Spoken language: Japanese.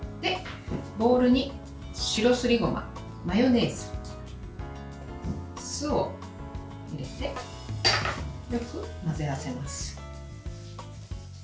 ボウルに白すりごま、マヨネーズ酢を入れてよく混ぜ合わせます。